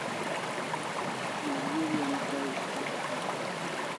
Malgeri an kai ishpata kari